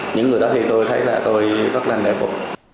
những người đó thì tôi thấy là tôi rất là nệm vụ